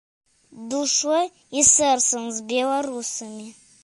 Душой і сэрцам з беларусамі.